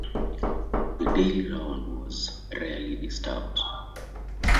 The daily round was rarely disturbed.